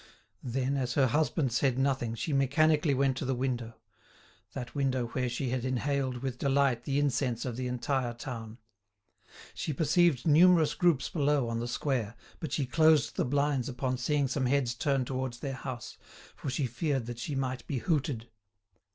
Then, as her husband said nothing, she mechanically went to the window—that window where she had inhaled with delight the incense of the entire town. She perceived numerous groups below on the square, but she closed the blinds upon seeing some heads turn towards their house, for she feared that she might be hooted.